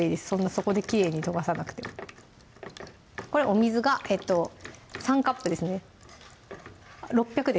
そこできれいに溶かさなくてもお水が３カップですね６００